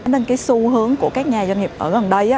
nên cái xu hướng của các nhà doanh nghiệp ở gần đây